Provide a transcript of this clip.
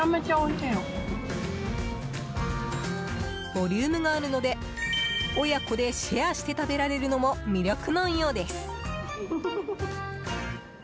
ボリュームがあるので親子でシェアして食べられるのも魅力のようです。